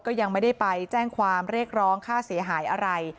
ก็ยังไม่ได้ไปแจ้งความเรียกร้องค่าเสียหายอะไร